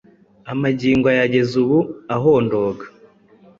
Amagingo ayageza ubu.ahondoga